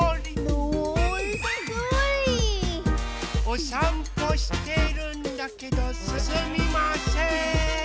おさんぽしているんだけどすすみません。